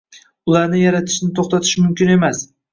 Ularni yaratishni to'xtatish mumkin emas